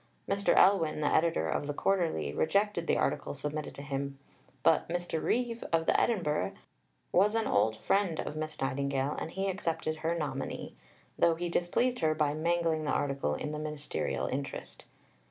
Mr. Elwin, the editor of the Quarterly, rejected the article submitted to him. But Mr. Reeve, of the Edinburgh, was an old friend of Miss Nightingale, and he accepted her nominee, though he displeased her by mangling the article in the Ministerial interest.